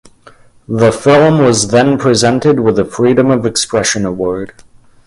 The film was then presented with the Freedom of Expression Award.